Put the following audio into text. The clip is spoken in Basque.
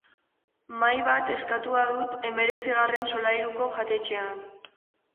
Mahai bat eskatua dut hemeretzigarren solairuko jatetxean.